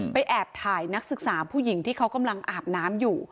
แอบถ่ายนักศึกษาผู้หญิงที่เขากำลังอาบน้ำอยู่